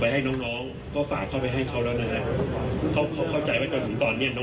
เขาก็บอกว่าเขายืนยันว่าอากาศยังดีอยู่